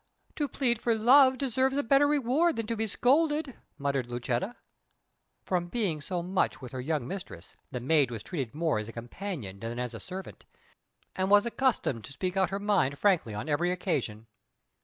"To plead for love deserves a better reward than to be scolded," muttered Lucetta. From being so much with her young mistress, the maid was treated more as a companion than as a servant, and was accustomed to speak out her mind frankly on every occasion.